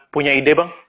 punya ide bang